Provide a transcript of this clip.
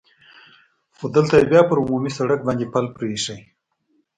خو دلته یې بیا پر عمومي سړک باندې پل پرې اېښی.